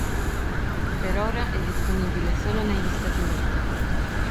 Per ora è disponibile solo negli Stati Uniti.